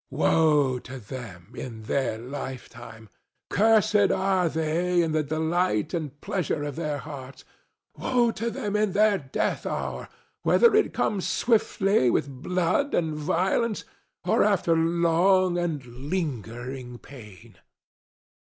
Woe to them in their lifetime! Cursed are they in the delight and pleasure of their hearts! Woe to them in their death hour, whether it come swiftly with blood and violence or after long and lingering pain!